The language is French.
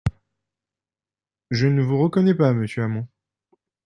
Je ne vous reconnais pas, monsieur Hamon